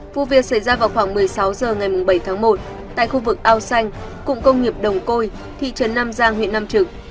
vụ việc xảy ra vào khoảng một mươi sáu h ngày bảy tháng một tại khu vực ao xanh cụng công nghiệp đồng côi thị trấn nam giang huyện nam trực